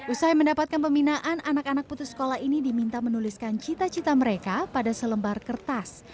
usai mendapatkan pembinaan anak anak putus sekolah ini diminta menuliskan cita cita mereka pada selembar kertas